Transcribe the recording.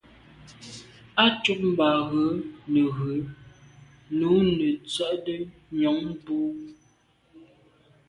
Á cúp mbɑ̄ rə̌ nə̀ rə̀ nǔ nə̄ tsə́’də́ nyɔ̌ŋ bú.